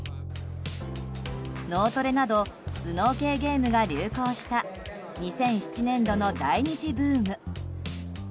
脳トレなど頭脳系ゲームが流行した２００７年度の第２次ブーム。